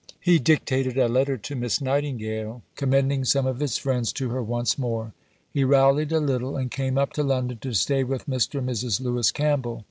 He dictated a letter to Miss Nightingale, commending some of his friends to her once more. He rallied a little and came up to London to stay with Mr. and Mrs. Lewis Campbell.